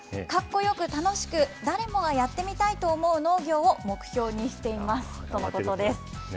かっこよく楽しく、誰もがやってみたいと思う農業を目標にしていますとのことです。